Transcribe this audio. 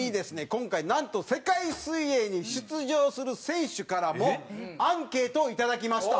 今回なんと世界水泳に出場する選手からもアンケートをいただきました。